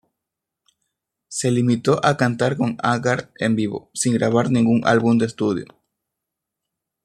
Se limitó cantar con Haggard en vivo, sin grabar ningún álbum de estudio.